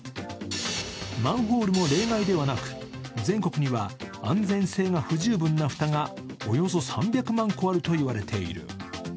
マンホールも例外ではなく、全国には安全性が不十分な蓋がおよそ３００万個あると言われている。